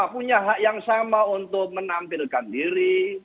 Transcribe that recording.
punya hak yang sama untuk menampilkan diri